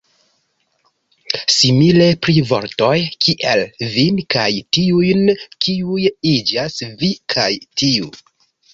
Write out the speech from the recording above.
Simile pri vortoj kiel "vin" kaj "tiujn", kiuj iĝas "vi" kaj "tiu".